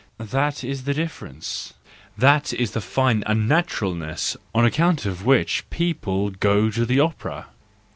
That is the difference, that is the fine unnaturalness on account of which people go to the opera!